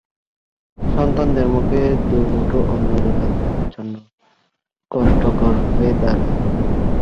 সন্তানদের মুখে দুই মুঠো অন্ন জোগান দেওয়া তাঁদের জন্য কষ্টকর হয়ে দাঁড়ায়।